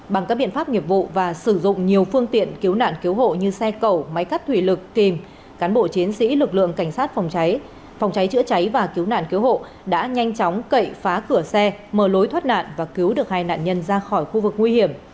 bằng các biện pháp nghiệp vụ và sử dụng nhiều phương tiện cứu nạn cứu hộ như xe cầu máy cắt thủy lực kìm cán bộ chiến sĩ lực lượng cảnh sát phòng cháy phòng cháy chữa cháy và cứu nạn cứu hộ đã nhanh chóng cậy phá cửa xe mở lối thoát nạn và cứu được hai nạn nhân ra khỏi khu vực nguy hiểm